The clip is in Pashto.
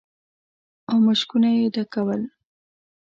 او مشکونه يې ډکول.